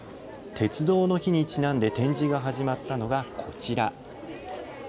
鉄道の日にちなんで展示が始まったのが、こちら。